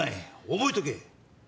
覚えとけ！